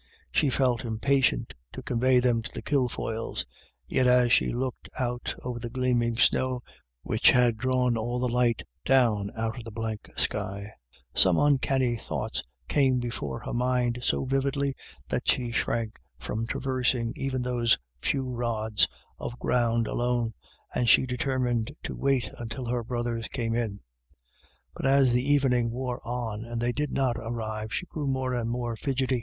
She felt impatient to convey them to the Kilfoyles ; yet as she looked out over the gleam ing snow, which had drawn all the light down out of the blank sky, some uncanny thoughts came before her mind so vividly that she shrank from traversing even those few roods of ground alone, and she determined to wait until her brothers came in. But as the evening wore on, arfd they did not arrive, she grew more and more fidgety.